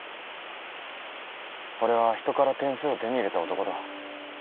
俺は人から点数を手に入れた男だ。